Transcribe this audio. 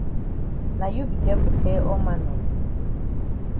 Na you be get for tell all man nor.